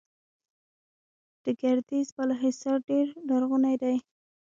د ګردیز بالاحصار ډیر لرغونی دی